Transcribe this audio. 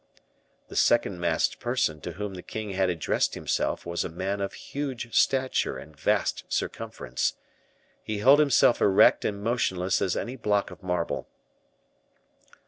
The second masked person to whom the king had addressed himself was a man of huge stature and vast circumference. He held himself erect and motionless as any block of marble.